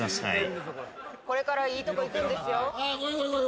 これからいいとこ行くんですよ。